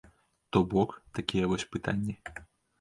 То бок, такія вось пытанні.